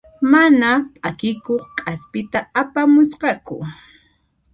Mana p'akikuq k'aspita apamusqaku.